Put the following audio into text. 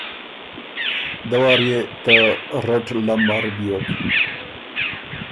دۀ وار يې ته رټ لمبر بیوک۔